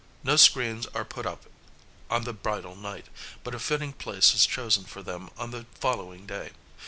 No screens are put up on the bridal night, but a fitting place is chosen for them on the following day.